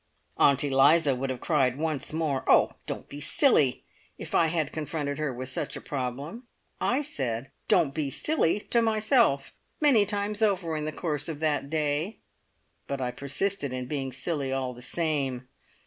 Aunt Eliza would have cried once more, "Oh, don't be silly!" if I had confronted her with such a problem. I said, "Don't be silly!" to myself many times over in the course of that day, but I persisted in being silly all the same.